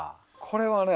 これはね